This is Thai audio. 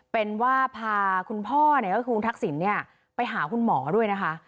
เป็นว่าพาคุณพ่อเนี่ยคือคุณทักศิลป์เนี่ยไปหาคุณหมอด้วยนะคะ